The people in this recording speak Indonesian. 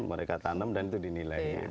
mereka tanam dan itu dinilai